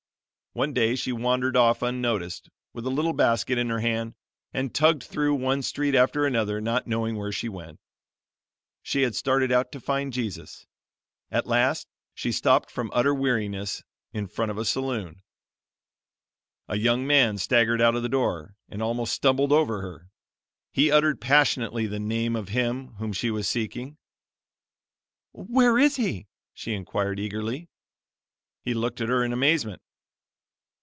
One day she wandered off unnoticed, with a little basket in her hand, and tugged through one street after another, not knowing where she went. She had started out to find Jesus. At last she stopped from utter weariness, in front of a saloon. A young man staggered out of the door, and almost stumbled over her. He uttered passionately the name of Him whom she was seeking. "Where is He?" she inquired eagerly. He looked at her in amazement.